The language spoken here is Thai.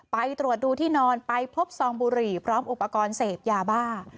ไปตรวจดูที่นอนไปพบซองบุหรี่พร้อมอุปกรณ์เสพยาบ้า